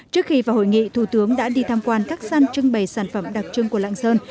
trước khi vào hội nghị thủ tướng đã đi tham quan các gian trưng bày sản phẩm đặc trưng của lạng sơn